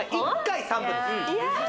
１回３分です